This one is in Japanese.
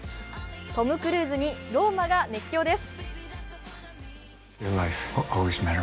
トム・クルーズにローマが熱狂です